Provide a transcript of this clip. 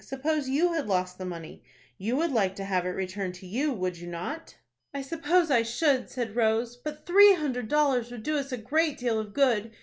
"Suppose you had lost the money, you would like to have it returned to you, would you not?" "I suppose I should," said Rose; "but three hundred dollars would do us a great deal of good.